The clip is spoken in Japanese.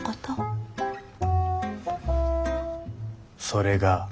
それが？